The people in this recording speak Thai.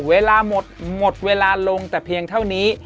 เวลาหมดหมดเวลาลงแต่เพียงเท่านี้